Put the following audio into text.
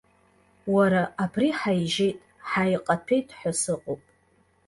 Уара, абри ҳаижьеит, ҳаиҟаҭәеит ҳәа сыҟоуп.